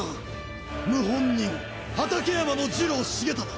謀反人畠山次郎重忠